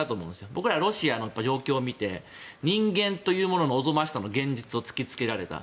僕らロシアの現状を見て人間というもののおぞましさを見せつけられた。